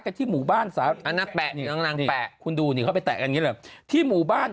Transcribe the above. กันที่หมู่บ้านนั้นแปะแปะคุณนี่เขาไปแตะกันอย่างนี้บ่าน